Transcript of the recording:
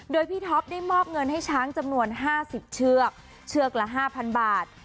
โดยพี่ท็อปได้มอบเงินให้ช้างจำนวน๕๐เชือกเชือกละ๕๐๐บาท